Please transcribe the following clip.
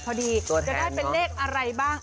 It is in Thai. ตัวแทนเนอะจะได้เป็นเลขอะไรบ้าง